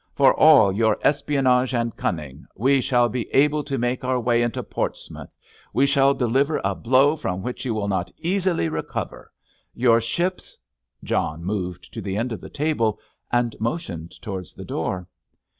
"For all your espionage and cunning we shall be able to make our way into Portsmouth. We shall deliver a blow from which you will not easily recover. Your ships——" John moved to the end of the table and motioned towards the door.